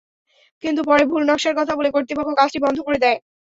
কিন্তু পরে ভুল নকশার কথা বলে কর্তৃপক্ষ কাজটি বন্ধ করে দেয়।